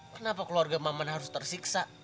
kenapa keluarga maman harus tersiksa